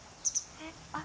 えっ？